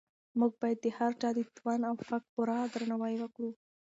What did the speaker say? موږ باید د هر چا د توان او حق پوره درناوی وکړو.